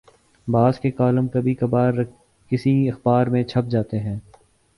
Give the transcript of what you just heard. بعض کے کالم کبھی کبھارکسی اخبار میں چھپ جاتے ہیں۔